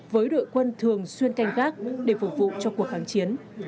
với đội quân thường xuyên canh gác để phục vụ cho cuộc kháng chiến